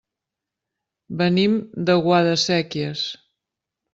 Venim de Guadasséquies.